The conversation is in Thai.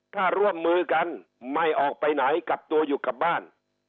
ถ้าร่วมมือกันไม่ออกไปไหนกลับตัวอยู่กับบ้าน